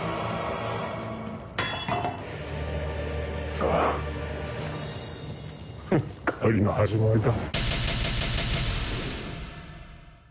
さぁ狩りの始まりだ。